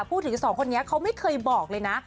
พูดถึงพวกนี้เค้าไม่เคยบอกเลยนะ